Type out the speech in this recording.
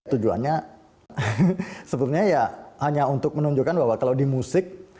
tujuannya sebetulnya ya hanya untuk menunjukkan bahwa kalau di musik